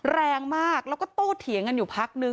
แรงมากแล้วก็โตเถียงกันอยู่พักนึง